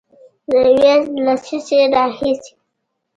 د یوې لسیزې راهیسې